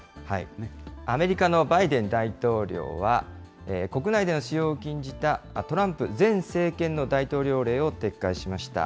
アメリカのバイデン大統領は、国内での使用を禁じたトランプ前政権の大統領令を撤回しました。